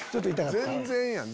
全然やん！